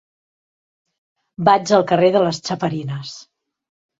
Vaig al carrer de les Chafarinas.